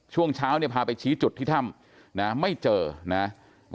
ช่วงเช้าพาไปชี้จุดที่ถ้ำไม่เจอนะครับ